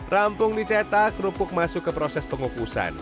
rampung dicetak kerupuk masuk ke proses pengukusan